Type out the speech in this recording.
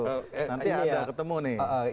nanti ada ketemu nih